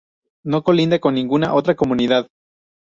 No colinda con ninguna otra comunidad.